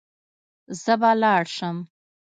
زه به لاړ سم.